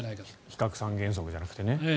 非核三原則じゃなくてね。